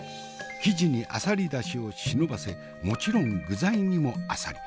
生地にあさり出汁を忍ばせもちろん具材にもあさり。